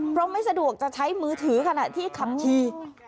เพราะไม่สะดวกจะใช้มือถือขณะที่ขับขี่